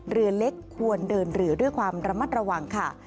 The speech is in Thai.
เรือเล็กควรเดินเรือด้วยความระมัดระวังค่ะ